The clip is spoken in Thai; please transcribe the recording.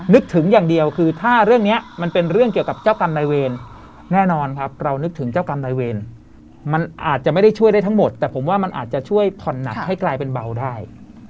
นึกถึงอย่างเดียวคือถ้าเรื่องนี้มันเป็นเรื่องเกี่ยวกับเจ้ากรรมนายเวรแน่นอนครับเรานึกถึงเจ้ากรรมนายเวรมันอาจจะไม่ได้ช่วยได้ทั้งหมดแต่ผมว่ามันอาจจะช่วยผ่อนหนักให้กลายเป็นเบาได้